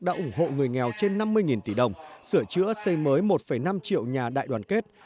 đã ủng hộ người nghèo trên năm mươi tỷ đồng sửa chữa xây mới một năm triệu nhà đại đoàn kết